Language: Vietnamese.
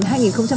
tại hà nội